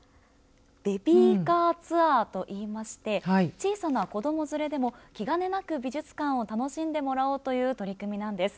ベビーカーツアーといいまして小さな子供づれでも気兼ねなく美術館を楽しんでもらおうという取り組みなんです。